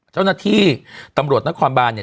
เจ้าหน้าที่ตำรวจนครบานเนี่ย